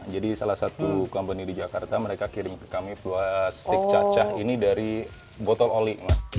jadi salah satu company di jakarta mereka kirim ke kami plastik cacah ini dari botol oli